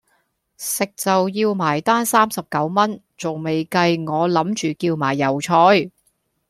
食就要埋單三十九蚊,仲未計我諗住叫埋油菜